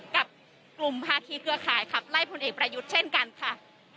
กับกลุ่มภาคีเครือข่ายขับไล่พลเอกประยุทธ์เช่นกันค่ะ